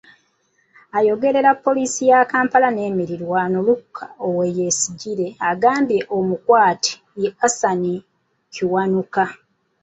Ayogerera Poliisi ya Kampala n'emirirwano Luke Owoyesigyire agambye omukwate ye Hassan Kiwanuka.